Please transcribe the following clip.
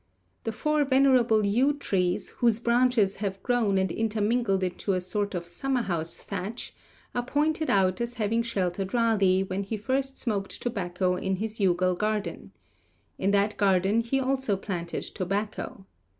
The four venerable yew trees, whose branches have grown and intermingled into a sort of summer house thatch, are pointed out as having sheltered Raleigh when he first smoked tobacco in his Youghal garden. In that garden he also planted tobacco....